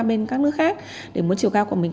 bên các nước khác để muốn chiều cao của mình